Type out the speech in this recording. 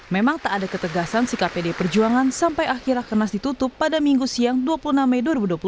memang tak ada ketegasan sikap pdi perjuangan sampai akhir rakernas ditutup pada minggu siang dua puluh enam mei dua ribu dua puluh tiga